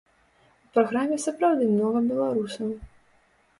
У праграме сапраўды многа беларусаў.